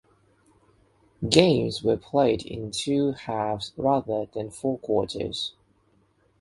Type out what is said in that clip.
Games were played in two halves rather than four quarters.